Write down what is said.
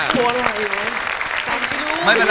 โรงละมาฮะเหรอ